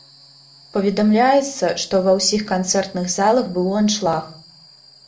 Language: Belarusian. Паведамляецца, што ва ўсіх канцэртных залах быў аншлаг.